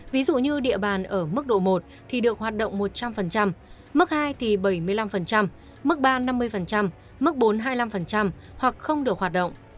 ví dụ như địa bàn ở mức độ một thì được hoạt động một trăm linh mức hai thì bảy mươi năm mức ba năm mươi mức bốn trăm hai mươi năm hoặc không được hoạt động